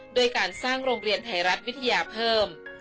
ด้วยการสร้างโรงเรียนไทยรัฐวิทยาเพิ่ม